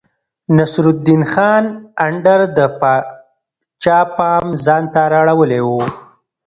نصرالدين خان اندړ د پاچا پام ځانته رااړولی و.